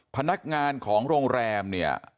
พนักงานของโรงแรมเนี่ย